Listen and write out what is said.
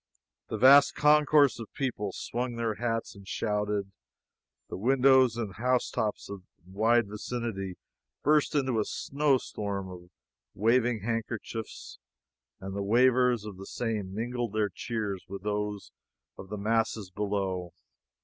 The vast concourse of people swung their hats and shouted the windows and housetops in the wide vicinity burst into a snowstorm of waving handkerchiefs, and the wavers of the same mingled their cheers with those of the masses below.